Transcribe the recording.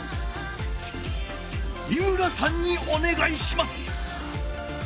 井村さんにおねがいします！